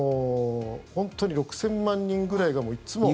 本当に６０００万人ぐらいがいつも。